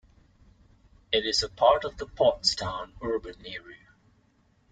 It is a part of the Pottstown urban area.